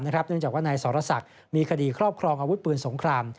เนื่องจากว่านายสรศักดิ์มีคดีครอบครองอาวุธปืนสงคราม